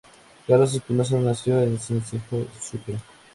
Carlos Espinosa nació en Sincelejo, Sucre.